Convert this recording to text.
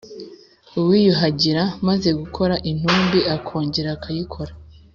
Uwiyuhagira amaze gukora intumbi, akongera akayikora,